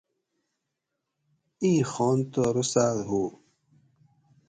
ایں خان تہ روسۤد ہو